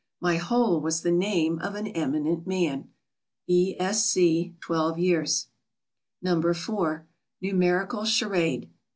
My whole was the name of an eminent man. E. S. C. (twelve years). No. 4. NUMERICAL CHARADE.